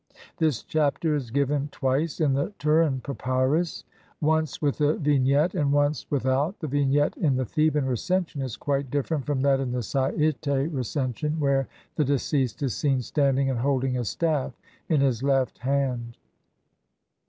] This Chapter is given twice in the Turin Papyrus (see Lep sius, op. cit., Rll. 3 and 27) ; once with a vignette and once with out ; the vignette in the Theban Recension is quite different from that in the Sa'itc Recension, where the deceased is seen standing and holding a staff in his left hand.